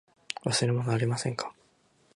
忘れ物はありませんか。